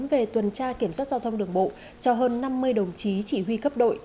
về tuần tra kiểm soát giao thông đường bộ cho hơn năm mươi đồng chí chỉ huy cấp đội